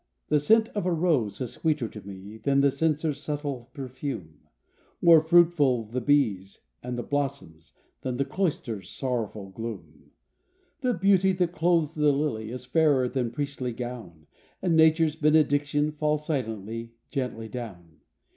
The scent of a rose is sweeter to me Than the censer's subtile perfume, More fruitful the bees and the blossoms Than the cloisters sorrowful gloom. The beauty that clothes the lily Is fairer than priestly gown, And nature's benediction Falls silently, gently down.